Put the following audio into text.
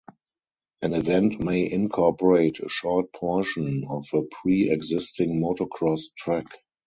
An event may incorporate a short portion of a pre-existing motocross track.